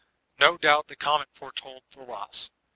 No doubt the comet foretold the loss.